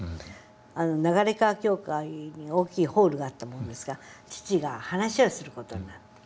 流川教会に大きいホールがあったもんですから父が話をする事になって。